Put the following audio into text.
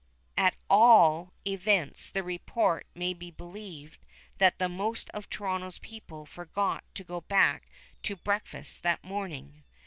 At all events the report may be believed that the most of Toronto people forgot to go back to breakfast that morning.